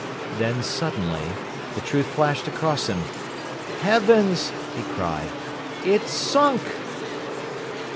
Then suddenly the truth flashed across him. "Heavens!" he cried, "it's sunk."